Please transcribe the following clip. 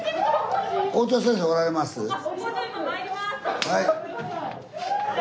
はい。